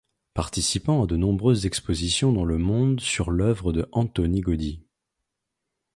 Participant à de nombreuses expositions dans le monde sur l’œuvre de Antoni Gaudí.